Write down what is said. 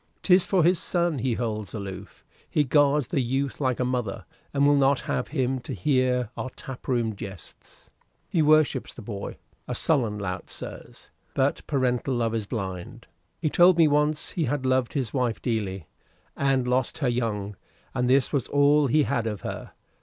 'Tis for his son he holds aloof. He guards the youth like a mother, and will not have him to hear our tap room jests. He worships the boy a sullen lout, sirs; but paternal love is blind. He told me once he had loved his wife dearly, and lost her young, and this was all he had of her.